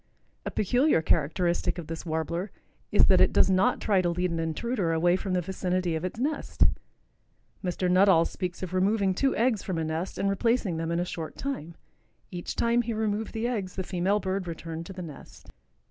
A peculiar characteristic of this Warbler is that it does not try to lead an intruder away from the vicinity of its nest. Mr. Nuttall speaks of removing two eggs from a nest and replacing them in a short time. Each time he removed the eggs the female bird returned to the nest.